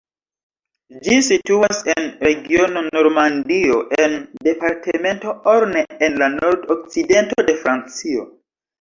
Ĝi situas en regiono Normandio en departemento Orne en la nord-okcidento de Francio.